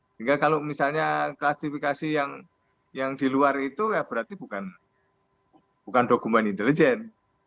sehingga kalau misalnya klasifikasi yang di luar itu ya berarti bukan dokumen intelijen